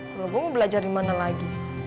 kalau gue mau belajar di mana lagi